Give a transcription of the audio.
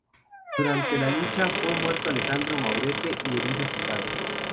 Durante la lucha fue muerto Alejandro Murature y herido su padre.